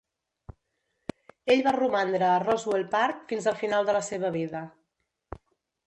Ell va romandre a Roswell Park fins al final de la seva vida.